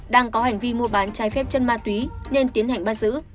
đang có hành vi mua bán chai phép chân mặt túy nên tiến hành bắt giữ